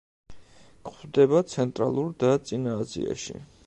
გვხვდება ცენტრალურ და წინა აზიაში.